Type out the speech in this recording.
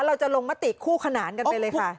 เราจะลงมติคู่ขนานกันไปเลยค่ะ